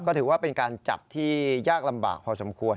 ก็ถือว่าเป็นการจับที่ยากลำบากพอสมควร